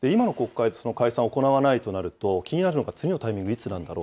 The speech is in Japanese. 今の国会で解散を行わないとなると、気になるのが次のタイミング